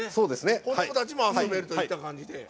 子どもたちも遊べるという形で。